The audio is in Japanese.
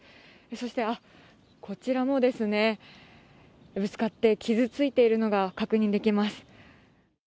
そして、こちらもですね、ぶつかって傷ついているのが確認できます。